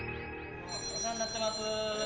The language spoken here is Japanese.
☎お世話になってます。